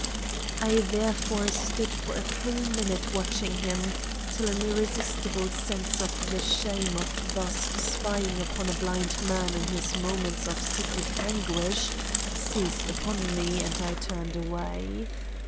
I therefore stood for a full minute watching him, till an irresistible sense of the shame of thus spying upon a blind man in his moments of secret anguish seized upon me and I turned away.